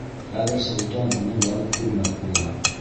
Хәҙер солтан уны барып күрмәк була.